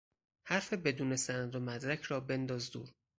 حرف بدون سند و مدرک را بنداز دور